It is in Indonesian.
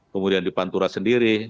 kemudian di pantura sendiri